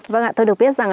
vâng ạ tôi được biết